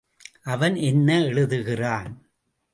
அவன் என்ன எழுதுகிறான்.